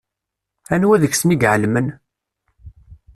Anwa deg-sen i iɛelmen?